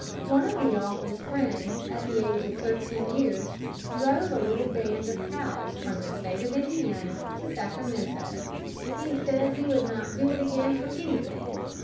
One of the author's friends at the age of thirteen years drove a little band of cows from the State of Indiana to Sacramento. He says he would not do it again for anything.